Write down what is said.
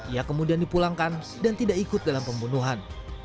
ia kemudian dipulangkan dan tidak ikut dalam pembunuhan